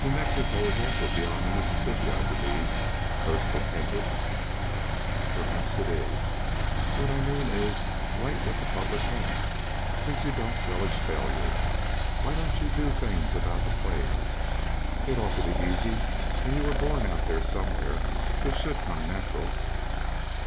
"New Mexico is also beyond the Mississippi, I believe," Thurston hinted. "Perhaps it is. What I mean is, write what the public wants, since you don't relish failure. Why don't you do things about the plains? It ought to be easy, and you were born out there somewhere. It should come natural."